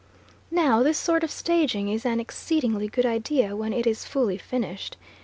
Now this sort of staging is an exceedingly good idea when it is fully finished.